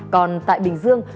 còn tại bình dương